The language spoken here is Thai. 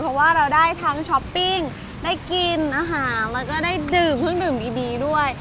เพราะว่าเราได้ทั้งช้อปปิ้งได้กินอาหารแล้วก็ได้ดื่มเครื่องดื่มดีด้วย